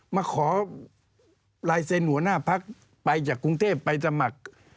มาขอลายเซ็นต์หัวหน้าพักไปจากกรุงเทพไปสมัคร